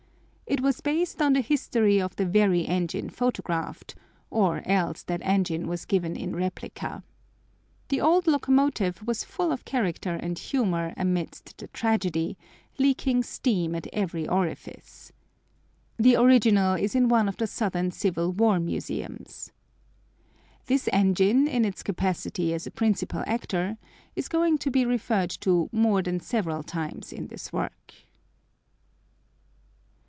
It was based on the history of the very engine photographed, or else that engine was given in replica. The old locomotive was full of character and humor amidst the tragedy, leaking steam at every orifice. The original is in one of the Southern Civil War museums. This engine in its capacity as a principal actor is going to be referred to more than several times in this work.